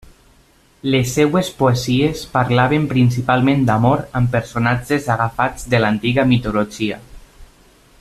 Les seves poesies parlaven principalment d'amor amb personatges agafats de l'antiga mitologia.